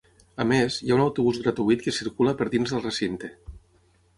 A més, hi ha un autobús gratuït que circula per dins del recinte.